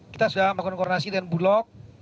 kita sudah melakukan koordinasi dengan bulog